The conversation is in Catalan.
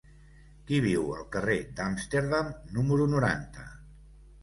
Qui viu al carrer d'Amsterdam número noranta?